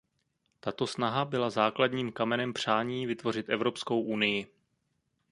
Tato snaha byla základním kamenem přání vytvořit Evropskou unii.